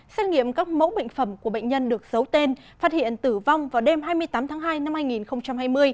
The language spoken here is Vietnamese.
xét nghiệm các mẫu bệnh phẩm của bệnh nhân được giấu tên phát hiện tử vong vào đêm hai mươi tám tháng hai năm hai nghìn hai mươi